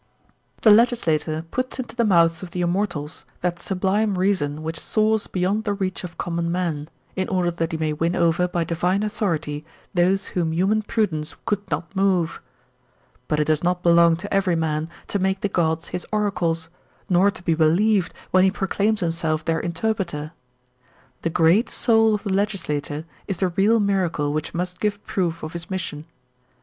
The legislator puts into the mouths of the immortals that sublime reason which soars beyond the reach of common men, in order that he may win over by divine THE PEOPLE 37 authority those whom human prudence could not move. But it does not belong to every man to make the gods his oracles, nor to be believed when he proclaims him self their interpreter. The great soul of the legislator is the real miracle which must give proof of his mission.